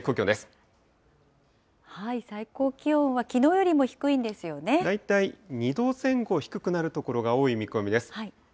最高気温はきのうよりも低い大体２度前後低くなる所が多い見込みです。